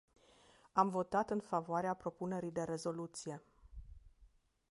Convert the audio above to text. Am votat în favoarea propunerii de rezoluție.